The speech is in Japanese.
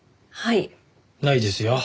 ないですよ。